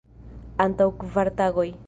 Antaŭ kvar tagoj.